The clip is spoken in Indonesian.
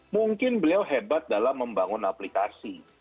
mungkin beliau hebat dalam membangun aplikasi